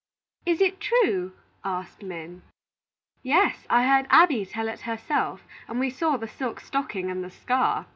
"Is it true?" asked Min. "Yes. I heard 'Abby' tell it herself, and saw the silk stocking, and the scar."